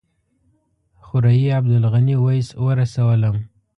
خوريي عبدالغني ویس ورسولم.